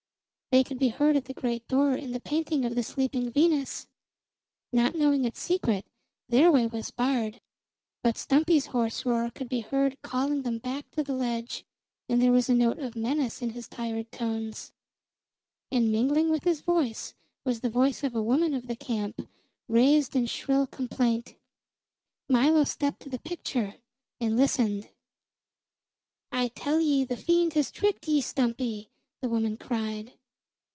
They could be heard at the great door in the painting of the "Sleeping Venus"; not knowing its secret their way was barred. But Stumpy's hoarse roar could be heard calling them back to the ledge, and there was a note of menace in his tired tones. And mingling with his voice was the voice of a woman of the camp, raised in shrill complaint. Milo stepped to the picture and listened. "I tell ye the fiend has tricked ye, Stumpy!" the woman cried.